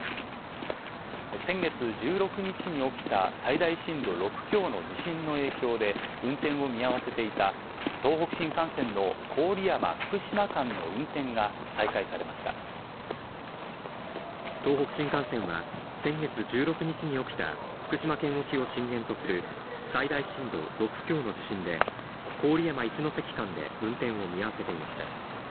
先月１６日に起きた最大震度６強の地震の影響で運転を見合わせていた東北新幹線の郡山・福島東北新幹線は、先月１６日に起きた福島県沖を震源とする最大震度６強の地震で、郡山・一ノ関間で運転を見合わせていました。